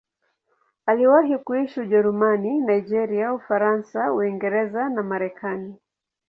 Aliwahi kuishi Ujerumani, Nigeria, Ufaransa, Uingereza na Marekani.